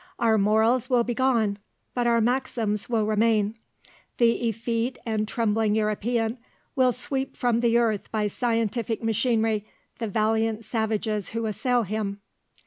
Our morals will be gone, but our Maxims will remain. The effete and trembling European will sweep from the earth by scientific machinery the valiant savages who assail him."